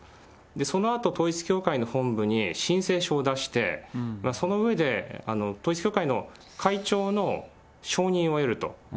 そのあと統一教会の本部に申請書を出して、その上で統一教会の会長の承認を得ると。